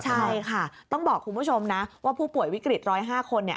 ใช่ค่ะต้องบอกคุณผู้ชมนะว่าผู้ป่วยวิกฤต๑๐๕คน